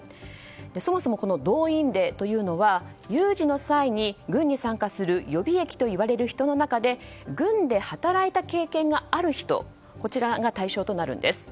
そもそも動員令というのは有事の際に軍に参加する予備役と呼ばれる人の中で軍で働いた経験がある人が対象となるんです。